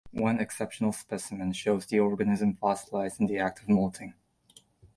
One exceptional specimen shows the organism fossilized in the act of moulting.